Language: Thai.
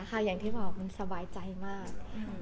คืออย่างที่ของเธอมันสวายใจมาก